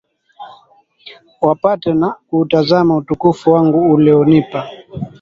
wapate na kuutazama utukufu wangu ulionipa